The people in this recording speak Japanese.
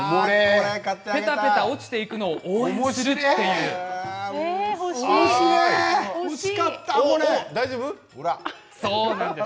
ぺたぺた落ちていくのを応援するというものです。